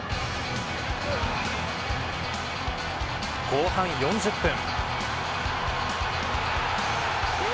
後半４０分。